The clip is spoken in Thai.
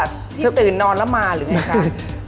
เสื้อตื่นนอนแล้วมาหรือไงครับ